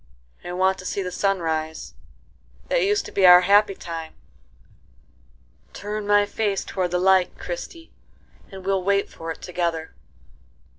"I want to see the sun rise;—that used to be our happy time;—turn my face toward the light, Christie, and we'll wait for it together."